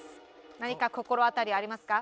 何か心当たりありますか？